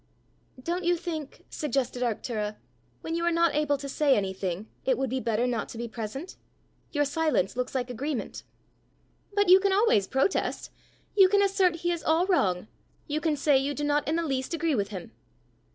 "Don't you think," suggested Arctura, "when you are not able to say anything, it would be better not to be present? Your silence looks like agreement." "But you can always protest! You can assert he is all wrong. You can say you do not in the least agree with him!"